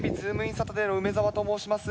サタデーの梅澤と申します。